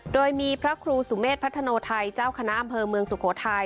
โดยมีพระครูสุเมฆพัฒโนไทยเจ้าคณะอำเภอเมืองสุโขทัย